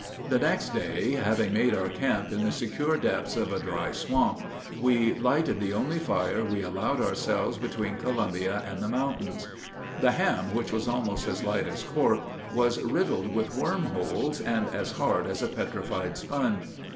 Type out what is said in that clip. The next day, having made our camp in the secure depths of a dry swamp, we lighted the only fire we allowed ourselves between Columbia and the mountains. The ham, which was almost as light as cork, was riddled with worm holes, and as hard as a petrified sponge.